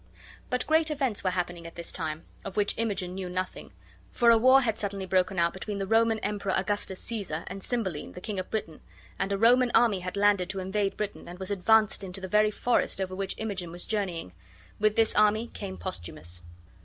But great events were happening at this time, of which Imogen knew nothing; for a war had suddenly broken out between the Roman Emperor Augustus Caesar and Cymbeline, the King of Britain; and a Roman army had landed to invade Britain, and was advanced into the very forest over which Imogen was journeying. With this army came Posthumus.